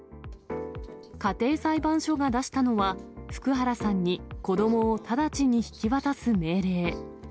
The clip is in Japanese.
家庭裁判所が出したのは、福原さんに子どもを直ちに引き渡す命令。